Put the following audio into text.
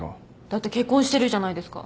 だって結婚してるじゃないですか。